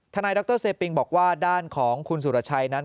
นายดรเซปิงบอกว่าด้านของคุณสุรชัยนั้น